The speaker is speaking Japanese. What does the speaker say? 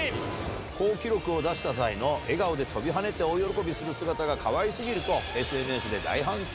好記録を出した際の笑顔で跳びはねて大喜びする姿がかわいすぎると、ＳＮＳで大反響。